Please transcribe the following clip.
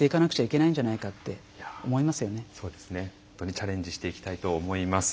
チャレンジしていきたいと思います。